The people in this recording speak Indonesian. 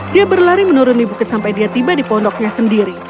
dia berlari menurun di bukit sampai dia tiba di pondoknya sendiri